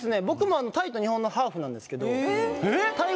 僕もタイと日本のハーフなんですけどえっ？